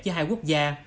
với hai quốc gia